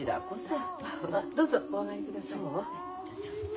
じゃあちょっと。